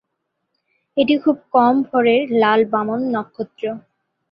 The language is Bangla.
এটি খুব কম ভরের লাল বামন নক্ষত্র।